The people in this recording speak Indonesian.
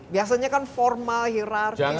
biasanya kan formal hierarki jangan